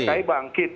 semua kaya pki bangkit